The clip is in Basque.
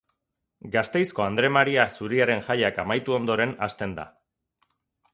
Gasteizko Andre Maria Zuriaren jaiak amaitu ondoren hasten da.